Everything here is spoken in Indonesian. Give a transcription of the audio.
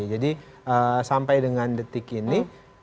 jadi sampai dengan detik ini